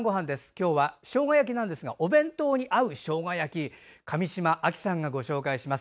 今日はしょうが焼きなんですがお弁当に合うしょうが焼き上島亜紀さんがご紹介します。